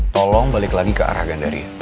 tolong balik lagi ke aragandaria